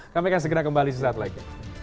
kami akan segera kembali sesaat lagi